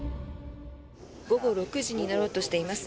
午後６時になろうとしています。